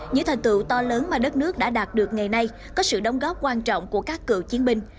những thành tựu to lớn mà đất nước đã đạt được ngày nay có sự đóng góp quan trọng của các cựu chiến binh